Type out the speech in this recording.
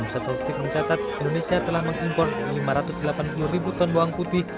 pusat statistik mencatat indonesia telah mengimpor lima ratus delapan puluh ribu ton bawang putih